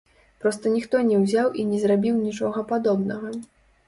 Проста ніхто не ўзяў і не зрабіў нічога падобнага!